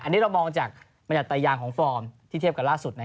อันนี้เรามองมันจากตัยอยานของฟอร์มที่เทียบกันที่ล่าสุด